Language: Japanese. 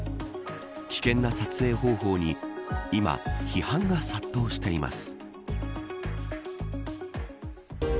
危険な撮影方法に今、批判が殺到しています。